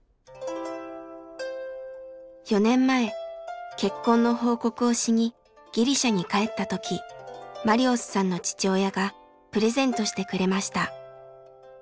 ４年前結婚の報告をしにギリシャに帰った時マリオスさんの父親がプレゼントしてくれました。